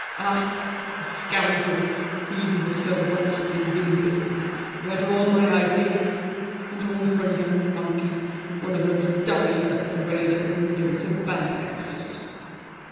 Ah! the scoundrel, he who was so well up in real business, who had all my ideas! And all for a young monkey, one of those dummies that parade at the windows of bad houses!